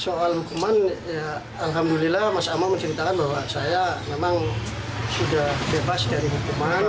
soal hukuman alhamdulillah mas amal menceritakan bahwa saya memang sudah bebas dari hukuman